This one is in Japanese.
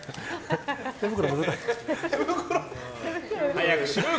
早くしろよ！